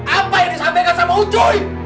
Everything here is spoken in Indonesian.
apa yang disampaikan sama joy